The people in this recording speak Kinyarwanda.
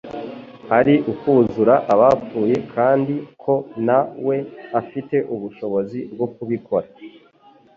ari ukuzura abapfuye kandi ko na we afite ubushobozi bwo kubikora